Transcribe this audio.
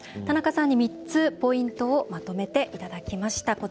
田中さんに３つ、ポイントをまとめていただきました。